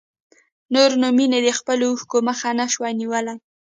نور نو مينې د خپلو اوښکو مخه نه شوای نيولی.